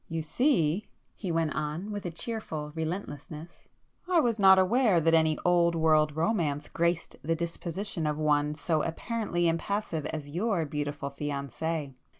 "You see"—he went on, with a cheerful relentlessness—"I was not aware that any old world romance graced the disposition of one so apparently impassive as your beautiful fiancée.